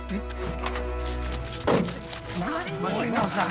森野さん！